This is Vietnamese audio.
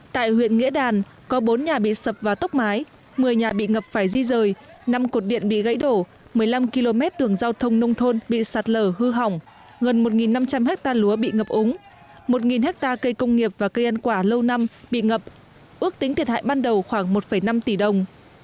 tại huyện nghĩa đàn có bốn nhà bị sập và tốc mái một mươi nhà bị ngập phải di rời năm cột điện bị gãy đổ một mươi năm km đường giao thông nông thôn bị sạt lở hư hỏng gần một năm trăm linh hectare lúa bị ngập úng một hectare cây công nghiệp và cây ăn quả lâu năm bị ngập ước tính thiệt hại ban đầu khoảng một năm tỷ đồng